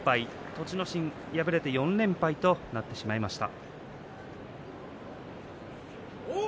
栃ノ心、敗れて４連敗となってしまいました。